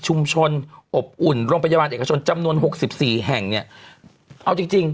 ชุมชนอบอุ่นโรงพยาบาลเอกชนจำนวน๖๔แห่งเนี่ยเอาจริง